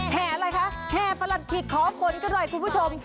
แห่อะไรคะแห่พลันธิกของคนกันด้วยคุณผู้ชม